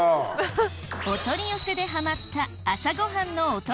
お取り寄せでハマった朝ご飯のお供